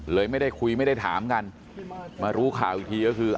ไม่ได้คุยไม่ได้ถามกันมารู้ข่าวอีกทีก็คือ